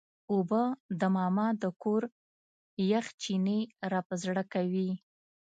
اوبه د ماما د کور یخ چینې راپه زړه کوي.